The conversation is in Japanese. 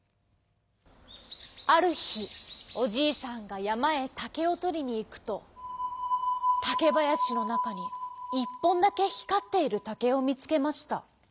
あるひおじいさんがやまへたけをとりにいくとたけばやしのなかに１ぽんだけひかっているたけをみつけました。